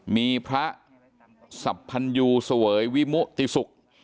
มีพระสับพันยูเสวยวิมุติศุกร์